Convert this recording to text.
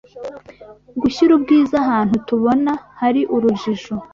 Gushyira ubwiza ahantu tubona hari urujijo.